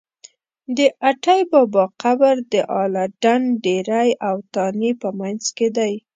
د اټی بابا قبر د اله ډنډ ډېری او تانې په منځ کې دی.